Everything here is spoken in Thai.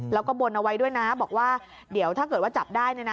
แล้วก็บนเอาไว้ด้วยนะบอกว่าเดี๋ยวถ้าเกิดว่าจับได้เนี่ยนะ